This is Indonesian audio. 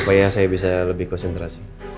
supaya saya bisa lebih konsentrasi